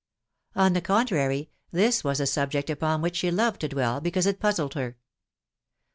On the contrary, this was a subject upon which she loved to dwell, because it puuded her. The